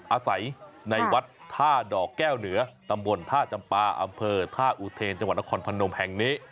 อาศัยในวัดท่าดอกแก้วเหนือตำบลท่าจำปาอำเภอท่าอุเทนจังหวัดนครพนมแห่งนี้